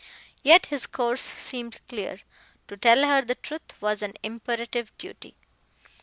Yet his course seemed clear. To tell her the truth was an imperative duty.